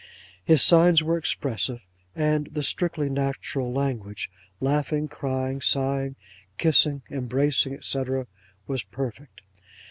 'His signs were expressive: and the strictly natural language, laughing, crying, sighing, kissing, embracing, &c., was perfect.